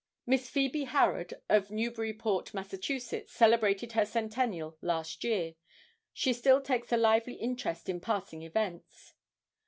Miss Phebe Harrod, of Newburyport, Mass., celebrated her centennial last year. She still takes a lively interest in passing events.